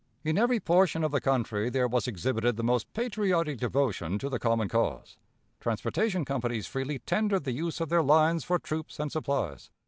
In every portion of the country there was exhibited the most patriotic devotion to the common cause. Transportation companies freely tendered the use of their lines for troops and supplies.